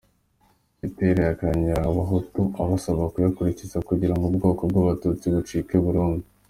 Gitera yayakanguriraga Abahutu abasaba kuyakurikiza, kugira ngo Ubwoko bw’Abatutsi bucike burundu.